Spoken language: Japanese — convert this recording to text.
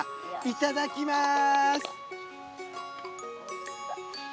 いただきます。